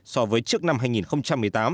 so với trước năm hai nghìn một mươi tám